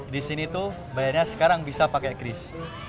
di sini tuh bayarnya sekarang bisa pakai cris